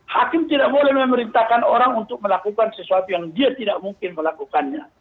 hakim tidak boleh memerintahkan orang untuk melakukan sesuatu yang dia tidak mungkin melakukannya